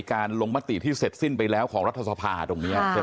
การลงมติที่เสร็จสิ้นไปแล้วของรัฐสภาษณ์ตรงนี้